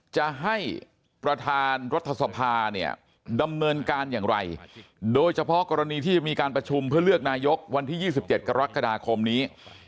จะให้ประธานรัฐสภาเนี่ยดำเนินการอย่างไรโดยเฉพาะกรณีที่จะมีการประชุมเพื่อเลือกนายกวันที่๒๗กรกฎาคมนี้